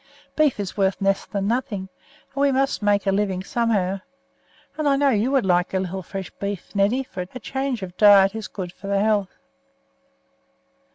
Beef is worth next to nothing, and we must make a living somehow. And I know you would like a little fresh beef, Neddy; a change of diet is good for the health."